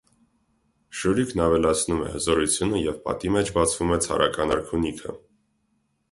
Շուրիկն ավելացնում է հզորությունը և պատի մեջ բացվում է ցարական արքունիքը։